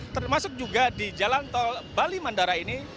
termasuk juga di jalan tol bali mandara ini